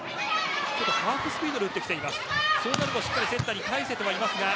今はハーフスピードで打ってきています。